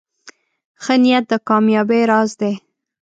ښه نیت د کامیابۍ راز دی.